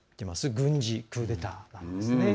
軍事クーデターなんですね。